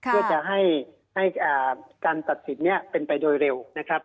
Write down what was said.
เพื่อจะให้การตัดสินนี้เป็นไปโดยเร็วนะครับ